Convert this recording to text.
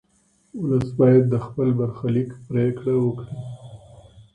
ولس باید د خپل برخلیک پرېکړه وکړي.